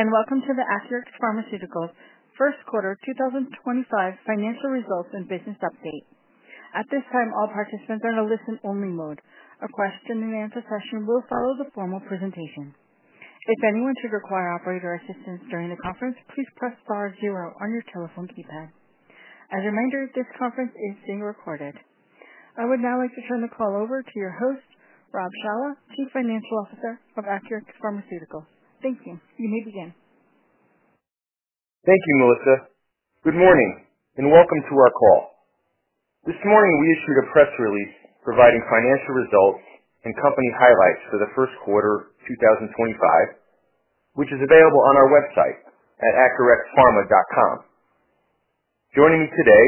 Thanks, and welcome to the Acurx Pharmaceuticals' first quarter 2025 financial results and business update. At this time, all participants are in a listen-only mode. A question-and-answer session will follow the formal presentation. If anyone should require operator assistance during the conference, please press star zero on your telephone keypad. As a reminder, this conference is being recorded. I would now like to turn the call over to your host, Rob Shawah, Chief Financial Officer of Acurx Pharmaceuticals. Thank you. You may begin. Thank you, Melissa. Good morning, and welcome to our call. This morning, we issued a press release providing financial results and company highlights for the first quarter 2025, which is available on our website at acurxpharma.com. Joining me today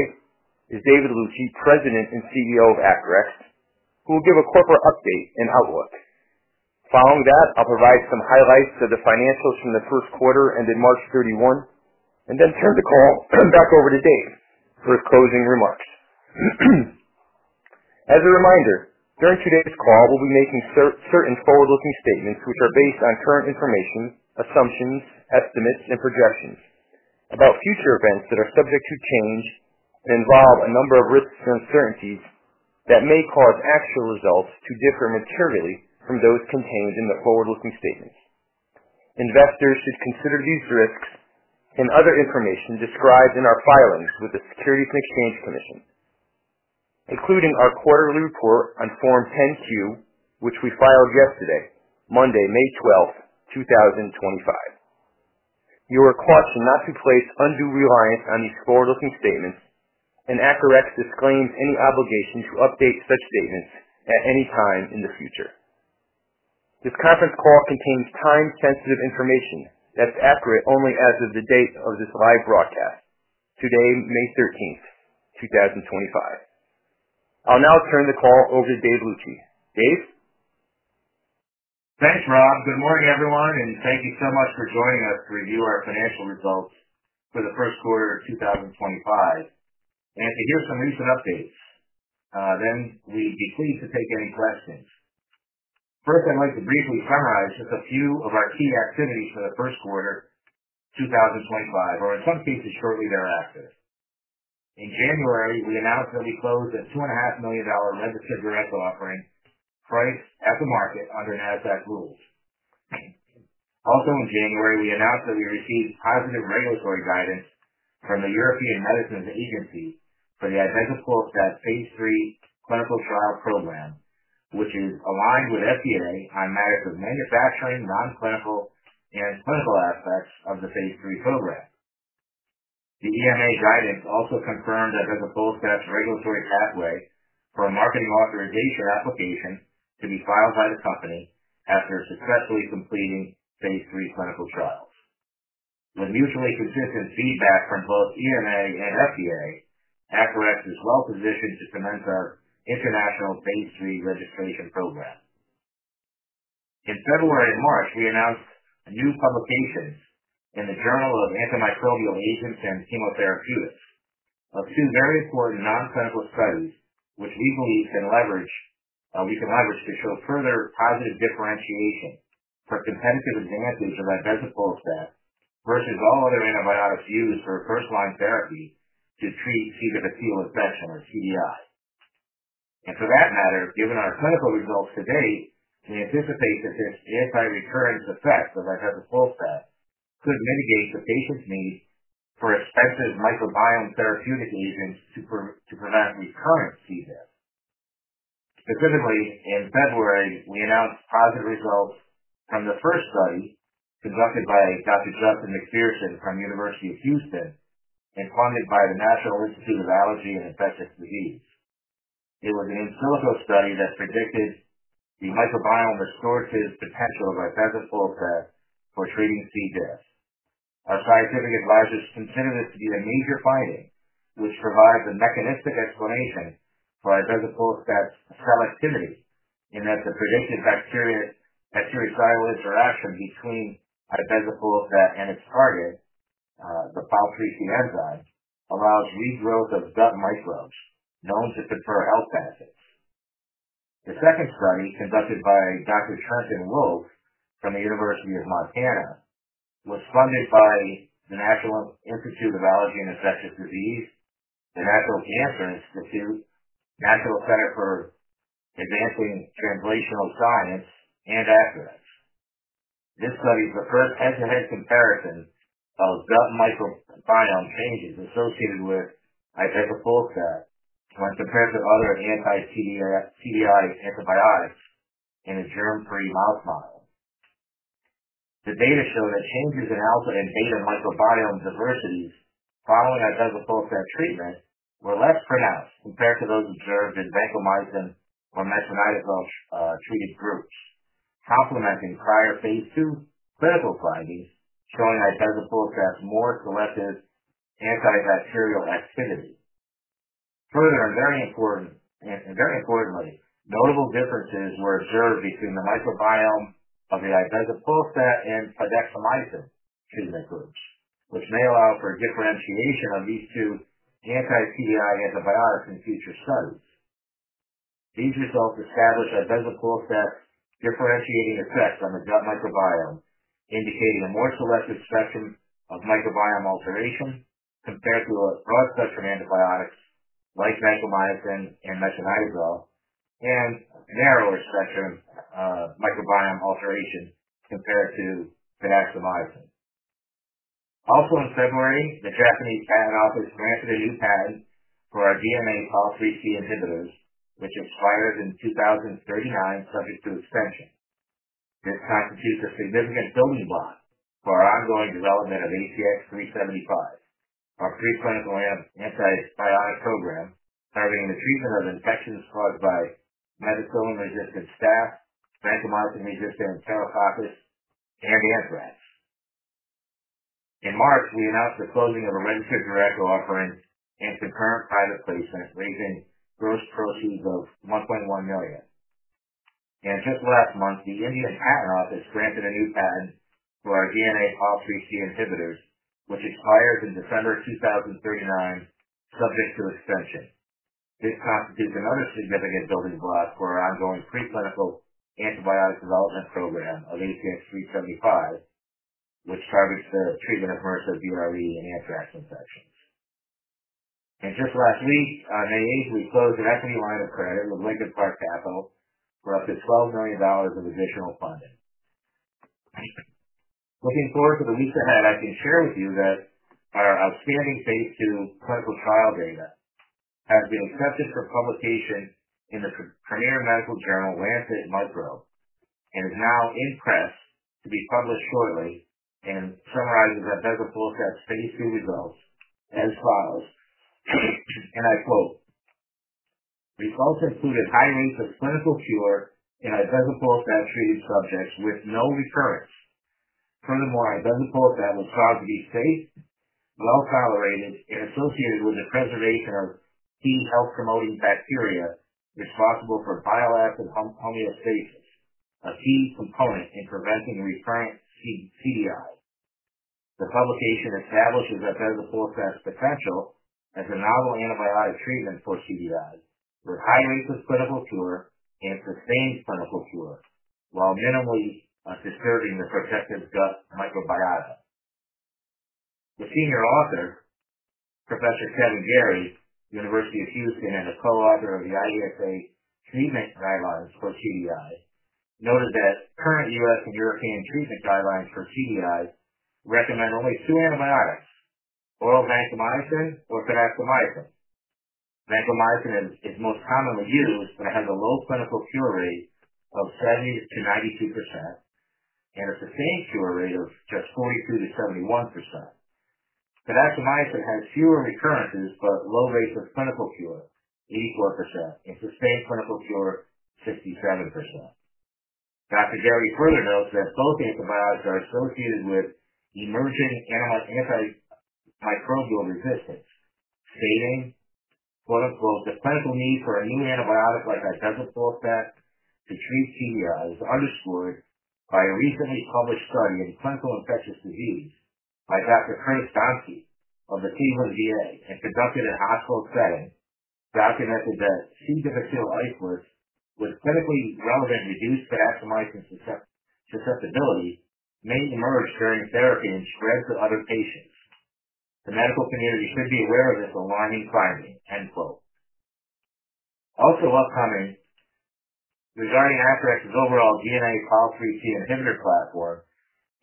is David Luci, President and CEO of Acurx, who will give a corporate update and outlook. Following that, I'll provide some highlights of the financials from the first quarter ended March 31, and then turn the call back over to Dave for his closing remarks. As a reminder, during today's call, we'll be making certain forward-looking statements which are based on current information, assumptions, estimates, and projections about future events that are subject to change and involve a number of risks and uncertainties that may cause actual results to differ materially from those contained in the forward-looking statements. Investors should consider these risks and other information described in our filings with the Securities and Exchange Commission, including our quarterly report on Form 10-Q, which we filed yesterday, Monday, May 12th, 2025. You are cautioned not to place undue reliance on these forward-looking statements, and Acurx disclaims any obligation to update such statements at any time in the future. This conference call contains time-sensitive information that's accurate only as of the date of this live broadcast, today, May 13th, 2025. I'll now turn the call over to Dave Luci. Dave? Thanks, Rob. Good morning, everyone, and thank you so much for joining us to review our financial results for the first quarter of 2025. To hear some recent updates, we would be pleased to take any questions. First, I'd like to briefly summarize just a few of our key activities for the first quarter 2025, or in some cases, shortly thereafter. In January, we announced that we closed a $2.5 million registered direct offering priced at the market under NASDAQ rules. Also, in January, we announced that we received positive regulatory guidance from the European Medicines Agency for the phase III clinical trial program, which is aligned with FDA on matters of manufacturing, non-clinical, and clinical aspects of phase III program. The EMA guidance also confirmed identical step's regulatory pathway for a marketing authorization application to be filed by the company after successfully completing phase III clinical trials. With mutually consistent feedback from both EMA and FDA, Acurx is well-positioned to commence our international phase III registration program. In February and March, we announced new publications in the Journal of Antimicrobial Agents and Chemotherapeutics of two very important non-clinical studies which we believe can leverage to show further positive differentiation for competitive advantage of ibezapolstat versus all other antibiotics used for first-line therapy to treat C. difficile infection or CDI. For that matter, given our clinical results to date, we anticipate that this anti-recurrence effect of ibezapolstat could mitigate the patient's need for expensive microbiome therapeutic agents to prevent recurrent C. diff. Specifically, in February, we announced positive results from the first study conducted by Dr. Justin McPherson from the University of Houston and funded by the National Institute of Allergy and Infectious Disease. It was an in silico study that predicted the microbiome restorative potential of ibezapolstat for treating C. diff. Our scientific advisors consider this to be a major finding, which provides a mechanistic explanation for ibezapolstat's selectivity in that the predicted bactericidal interaction between ibezapolstat and its target, the pol IIIC enzyme, allows regrowth of gut microbes known to confer health benefits. The second study, conducted by Dr. [Trenton Wolfe] from the University of Montana, was funded by the National Institute of Allergy and Infectious Disease, the National Cancer Institute, National Center for Advancing Translational Science, and Acurx. This study is the first head-to-head comparison of gut microbiome changes associated with ibezapolstat when compared to other anti-CDI antibiotics in a germ-free mouse model. The data show that changes in alpha and beta microbiome diversities following ibezapolstat treatment were less pronounced compared to those observed in vancomycin or metronidazole treated groups, complementing prior phase II clinical findings showing ibezapolstat's more selective antibacterial activity. Further, and very importantly, notable differences were observed between the microbiome of the ibezapolstat and fidaxomicin treatment groups, which may allow for differentiation of these two anti-CDI antibiotics in future studies. These results establish ibezapolstat's differentiating effects on the gut microbiome, indicating a more selective spectrum of microbiome alteration compared to broad spectrum antibiotics like vancomycin and metronidazole, and a narrower spectrum microbiome alteration compared to fidaxomicin. Also, in February, the Japanese Patent Office granted a new patent for our DNA pol IIIC inhibitors, which expires in 2039, subject to extension. This constitutes a significant building block for our ongoing development of ACX-375, our preclinical antibiotic program targeting the treatment of infections caused by methicillin-resistant staph, vancomycin-resistant enterococcus, and anthrax. In March, we announced the closing of a registered direct offering and concurrent private placement, raising gross proceeds of $1.1 million. Just last month, the Indian patent office granted a new patent for our DNA pol IIIC inhibitors, which expires in December 2039, subject to extension. This constitutes another significant building block for our ongoing preclinical antibiotic development program of ACX-375, which targets the treatment of MRSA, VRE, and anthrax infections. Just last week, on May 8th, we closed an equity line of credit with Lincoln Park Capital for up to $12 million of additional funding. Looking forward to the weeks ahead, I can share with you that our outstanding phase II clinical trial data has been accepted for publication in the premier medical journal, Lancet Microbe, and is now in press to be published shortly and summarizes ibezapolstat's phase II results as follows, and I quote, "Results included high rates of clinical cure in ibezapolstat treated subjects with no recurrence. Furthermore, ibezapolstat was found to be safe, well-tolerated, and associated with the preservation of key health-promoting bacteria responsible for bile acid homeostasis, a key component in preventing recurrent CDI. The publication establishes ibezapolstat's potential as a novel antibiotic treatment for CDI with high rates of clinical cure and sustained clinical cure, while minimally disturbing the protective gut microbiota." The senior author, Professor Kevin Garey, University of Houston and a co-author of the IDSA treatment guidelines for CDI. Noted that current U.S. and European treatment guidelines for CDI. recommend only two [MNRs]: oral vancomycin or fidaxomicin. Vancomycin is most commonly used, but it has a low clinical cure rate of 70%-92% and a sustained cure rate of just 42%-71%. Fidaxomicin has fewer recurrences but low rates of clinical cure, 84%, and sustained clinical cure, 67%. Dr. Garey further notes that both antibiotics are associated with emerging antimicrobial resistance, stating, "The clinical need for a new antibiotic like ibezapolstat to treat CDI is underscored by a recently published study in clinical infectious disease by Dr. Curtis Donskey of the Cleveland VA and conducted in a hospital setting, documenting that C. difficile isolates with clinically relevant reduced fidaxomicin susceptibility may emerge during therapy and spread to other patients. The medical community should be aware of this alarming finding." Also, upcoming regarding Acurx's overall DNA pol IIIC inhibitor platform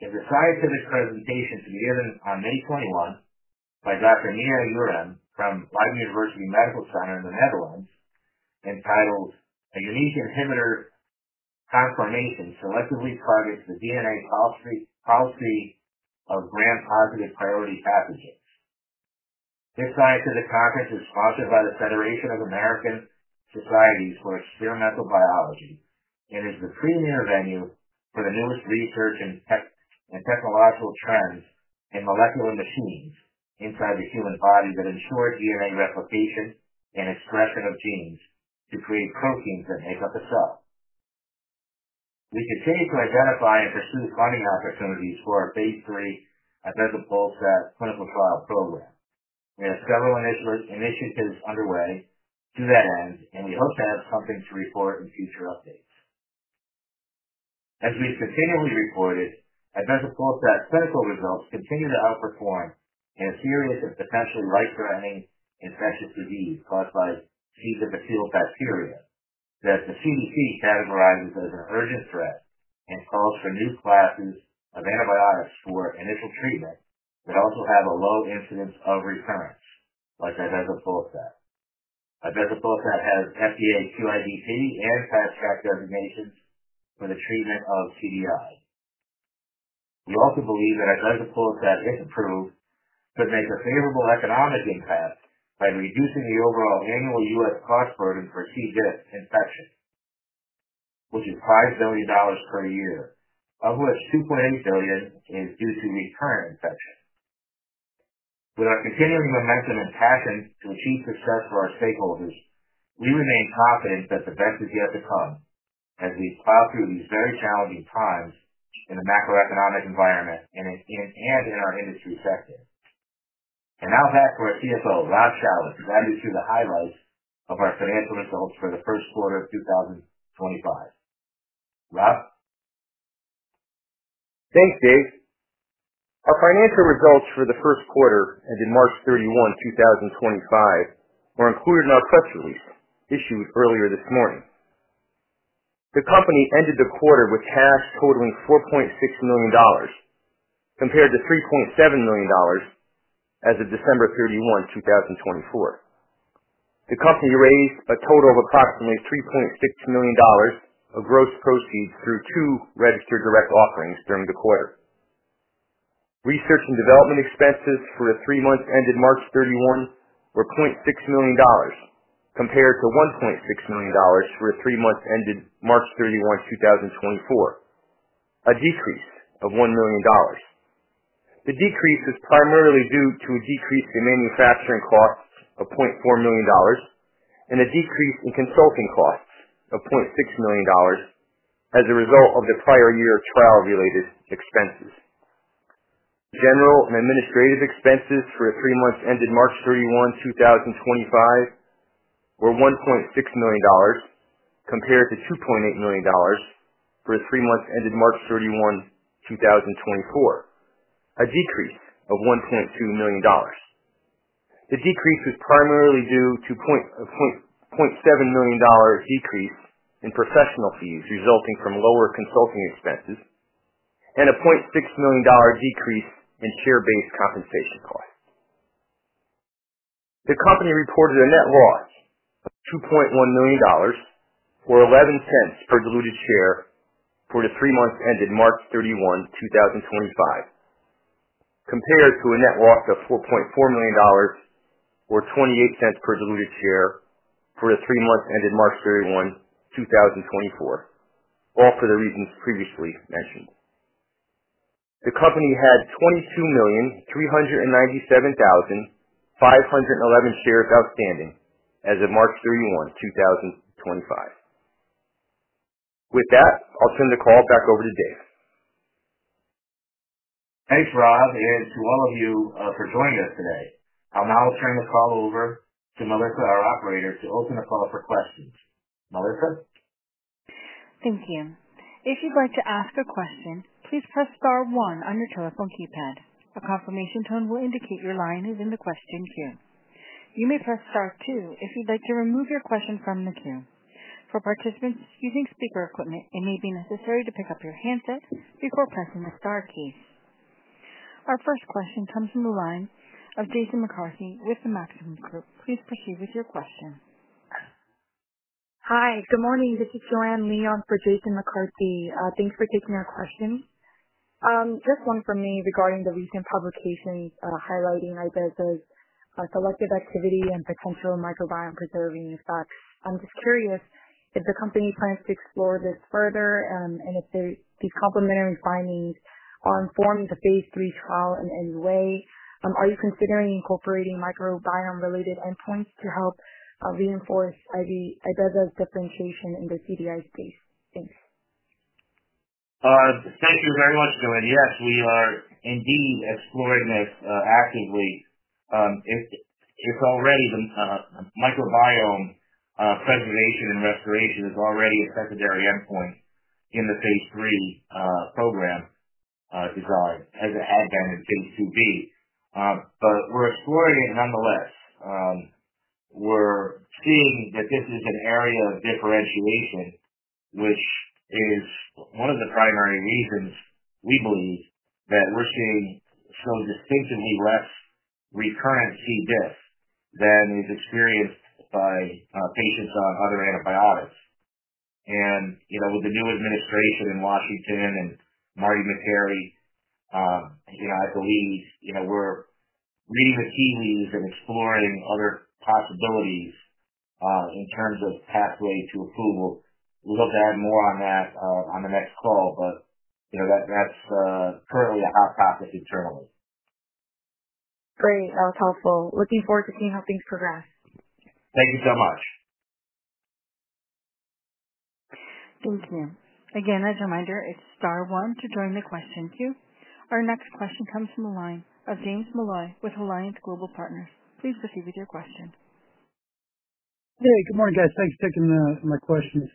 is a scientific presentation to be given on May 21 by Dr. Mia Urem from Leiden University Medical Center in the Netherlands, entitled "A Unique Inhibitor Conformation Selectively Targets the DNA pol IIIC of Gram-Positive Priority Pathogens." This scientific conference is sponsored by the Federation of American Societies for Experimental Biology and is the premier venue for the newest research and technological trends in molecular machines inside the human body that ensure DNA replication and expression of genes to create proteins that make up a cell. We continue to identify and pursue funding opportunities for phase III clinical trial program. We have several initiatives underway to that end, and we hope to have something to report in future updates. As we've continually reported, ibezapolstat clinical results continue to outperform in a series of potentially life-threatening infectious disease caused by C. difficile bacteria that the CDC categorizes as an urgent threat and calls for new classes of antibiotics for initial treatment that also have a low incidence of recurrence, like ibezapolstat. Ibezapolstat has FDA QIDP and Fast Track designations for the treatment of CDI. We also believe that ibezapolstat, if approved, could make a favorable economic impact by reducing the overall annual U.S. cost burden for C. diff infection, which is $5 billion per year, of which $2.8 billion is due to recurrent infection. With our continuing momentum and passion to achieve success for our stakeholders, we remain confident that the best is yet to come as we plow through these very challenging times in the macroeconomic environment and in our industry sector. Now back to our CFO, Rob Shawah, to guide us through the highlights of our financial results for the first quarter of 2025. Rob? Thanks, Dave. Our financial results for the first quarter ending March 31, 2025, were included in our press release issued earlier this morning. The company ended the quarter with cash totaling $4.6 million compared to $3.7 million as of December 31, 2024. The company raised a total of approximately $3.6 million of gross proceeds through two registered direct offerings during the quarter. Research and development expenses for the three months ended March 31 were $0.6 million compared to $1.6 million for the three months ended March 31, 2024, a decrease of $1 million. The decrease is primarily due to a decrease in manufacturing costs of $0.4 million and a decrease in consulting costs of $0.6 million as a result of the prior year trial-related expenses. General and administrative expenses for the three months ended March 31, 2025, were $1.6 million compared to $2.8 million for the three months ended March 31, 2024, a decrease of $1.2 million. The decrease is primarily due to a $0.7 million decrease in professional fees resulting from lower consulting expenses and a $0.6 million decrease in share-based compensation costs. The company reported a net loss of $2.1 million or $0.11 per diluted share for the three months ended March 31, 2025, compared to a net loss of $4.4 million or $0.28 per diluted share for the three months ended March 31, 2024, all for the reasons previously mentioned. The company had 22,397,511 shares outstanding as of March 31, 2025. With that, I'll turn the call back over to Dave. Thanks, Rob, and to all of you for joining us today. I'll now turn the call over to Melissa, our operator, to open the call for questions. Melissa? Thank you. If you'd like to ask a question, please press star one on your telephone keypad. A confirmation tone will indicate your line is in the question queue. You may press star two if you'd like to remove your question from the queue. For participants using speaker equipment, it may be necessary to pick up your handset before pressing the star key. Our first question comes from the line of Jason McCarthy with Maxim Group. Please proceed with your question. Hi, good morning. This is Joanne Lee on for Jason McCarthy. Thanks for taking our question. Just one from me regarding the recent publications highlighting ibezapolstat's selective activity and potential microbiome-preserving effects. I'm just curious if the company plans to explore this further and if these complementary findings are informing the phase III trial in any way. Are you considering incorporating microbiome-related endpoints to help reinforce ibezapolstat's differentiation in the CDI space? Thanks. Thank you very much, Joanne. Yes, we are indeed exploring this actively. It's already the microbiome preservation and restoration is already a secondary endpoint in the phase III program design as it had been in phase IIb. We are exploring it nonetheless. We are seeing that this is an area of differentiation, which is one of the primary reasons we believe that we are seeing so distinctively less recurrent C. diff than is experienced by patients on other antibiotics. With the new administration in Washington and Marty Makary, I believe we are reading the tea leaves and exploring other possibilities in terms of pathway to approval. We will look at more on that on the next call, but that's currently a hot topic internally. Great. That was helpful. Looking forward to seeing how things progress. Thank you so much. Thank you. Again, as a reminder, it's star one to join the question queue. Our next question comes from the line of James Molloy with Alliance Global Partners. Please proceed with your question. Hey, good morning, guys. Thanks for taking my questions.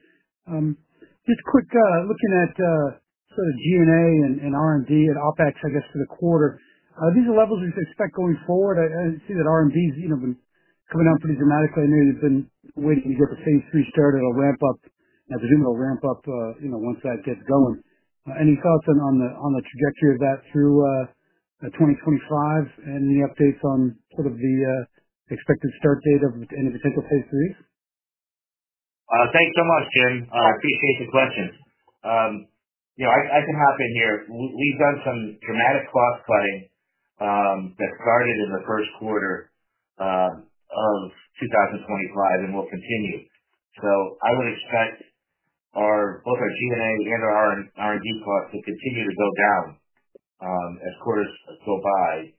Just quick, looking at sort of G&A and R&D and OpEx, I guess, for the quarter, these are levels we should expect going forward. I see that R&D has been coming out pretty dramatically. I know you've been waiting to get the phase III started. I'll ramp up, and I presume it'll ramp up once that gets going. Any thoughts on the trajectory of that through 2025 and any updates on sort of the expected start date of any potential phase III? Thanks so much, Jim. I appreciate the questions. I can hop in here. We've done some dramatic cost cutting that started in the first quarter of 2025 and will continue. I would expect both our GNA and our R&D costs to continue to go down as quarters go by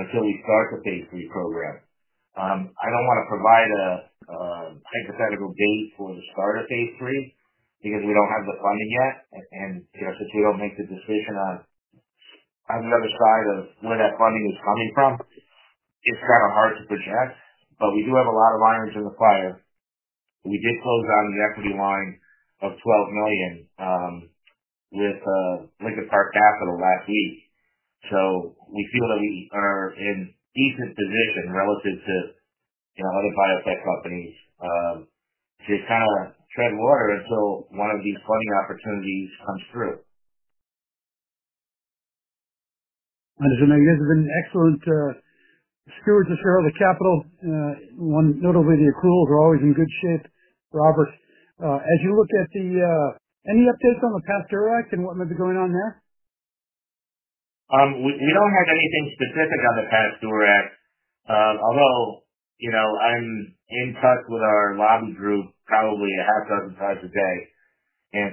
until we start the phase III program. I don't want to provide a hypothetical date for the start of phase III because we don't have the funding yet. Since we don't make the decision on the other side of where that funding is coming from, it's kind of hard to project. We do have a lot of irons in the fire. We did close down the equity line of $12 million with Lincoln Park Capital last week. We feel that we are in a decent position relative to other biotech companies to kind of tread water until one of these funding opportunities comes through. I guess you've been excellent stewards of shareholder capital, notably the accruals are always in good shape, Robert. As you look at the, any updates on the PASTEUR Act and what might be going on there? We don't have anything specific on the PASTEUR Act, although I'm in touch with our lobby group probably a half dozen times a day.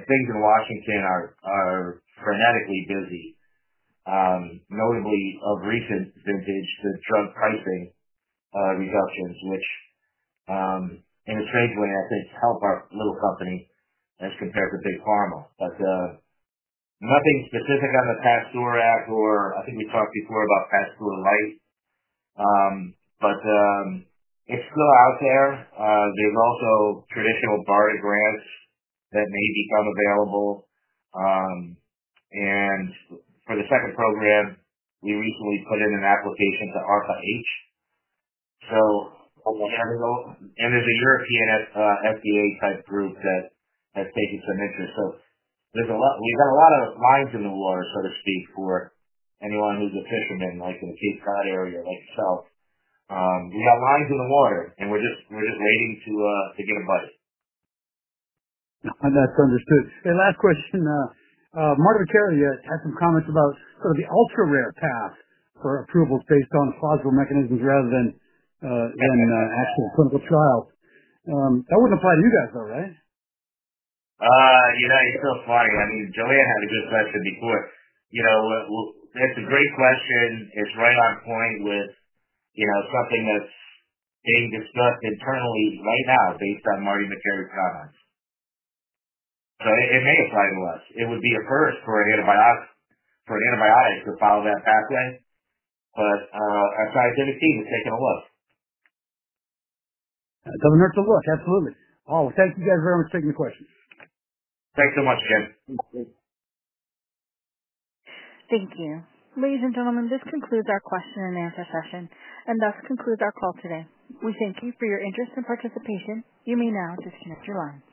Things in Washington are frenetically busy, notably of recent vintage to drug pricing reductions, which in a strange way, I think, help our little company as compared to big pharma. Nothing specific on the PASTEUR Act, or I think we talked before about [PASTEUR Lille], but it's still out there. There's also traditional BARDA grants that may become available. For the second program, we recently put in an application to ARPA-H. There's a European FDA-type group that has taken some interest. We've got a lot of lines in the water, so to speak, for anyone who's a fisherman, like in the Cape Cod area or like yourself. We've got lines in the water, and we're just waiting to get a buddy. That's understood. Last question, Marty Makary had some comments about sort of the ultra-rare path for approvals based on plausible mechanisms rather than actual clinical trials. That wouldn't apply to you guys, though, right? You know, it's so funny. I mean, Joanne had a good question before. It's a great question. It's right on point with something that's being discussed internally right now based on Marty Makary's comments. It may apply to us. It would be a first for an antibiotic to follow that pathway, but our scientific team is taking a look. It doesn't hurt to look. Absolutely. All right. Thank you guys very much for taking the questions. Thanks so much, Jim. Thank you. Thank you. Ladies and gentlemen, this concludes our question-and-answer session, and thus concludes our call today. We thank you for your interest and participation. You may now disconnect your lines.